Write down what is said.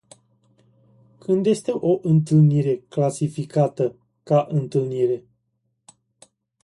Când este o întâlnire clasificată ca întâlnire?